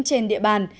trên địa bàn